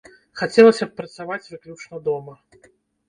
Хацелася б працаваць выключна дома.